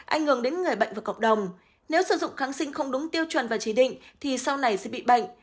ảnh hưởng đến người bệnh và cộng đồng nếu sử dụng kháng sinh không đúng tiêu chuẩn và chỉ định thì sau này sẽ bị bệnh